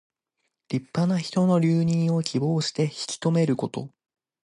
立派な人の留任を希望して引き留めること。